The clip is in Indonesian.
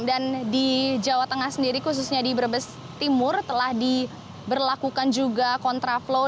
dan di jawa tengah sendiri khususnya di brebes timur telah diberlakukan juga kontraflow